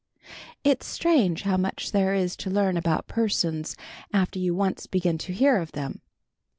It's strange how much there is to learn about persons after you once begin to hear of them.